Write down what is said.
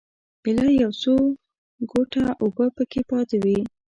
ایله یو څو ګوټه اوبه په کې پاتې وې.